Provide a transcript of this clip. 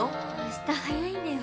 明日早いんだよ。